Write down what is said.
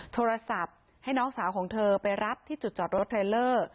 โทรศัพท์ให้น้องสาวของเธอไปรับที่จุดจอดรถเทรลเลอร์